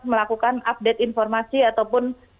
melakukan update informasi ataupun